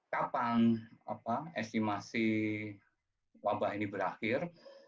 kapan estimasi wabah ini berakhir